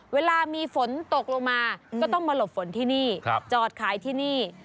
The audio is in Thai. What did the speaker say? เวลามีฝนตกลงมาก็ต้องมาหลบฝนที่นี่จอดขายที่นี่